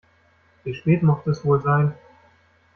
Wie spät mochte es wohl sein?